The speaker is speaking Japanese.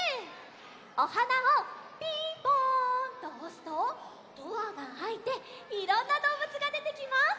おはなを「ピンポン！」とおすとドアがあいていろんなどうぶつがでてきます！